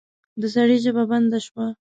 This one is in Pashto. د سړي ژبه بنده شوه.